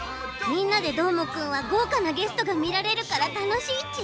「みんなＤＥどーもくん！」はごうかなゲストがみられるからたのしいち？